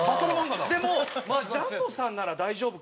「でもジャンボさんなら大丈夫か」っつって。